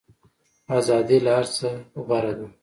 ازادي له هر څه غوره ده.